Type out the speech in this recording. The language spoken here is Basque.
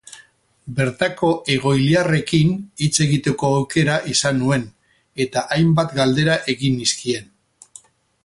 Bertako egoiliarrekin hitz egiteko aukera izan nuen eta hainbat galdera egin nizkien.